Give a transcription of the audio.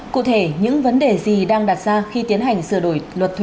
cụ thể những vấn đề gì đang đặt ra khi tiến hành sửa đổi luật thuế